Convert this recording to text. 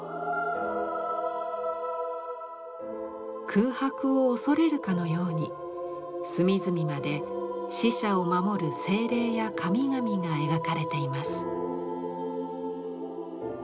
空白を恐れるかのように隅々まで死者を守る精霊や神々が描かれています。